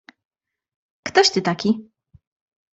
"Ktoś ty taki?"